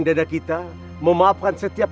dada kita memaafkan setiap